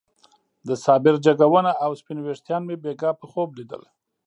د صابر جګه ونه او سپين ويښتان مې بېګاه په خوب ليدل.